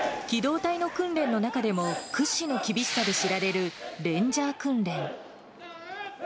機動隊の訓練の中でも屈指の厳しさで知られるレンジャー訓練。